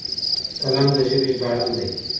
قلم د ژبې ژباړن دی.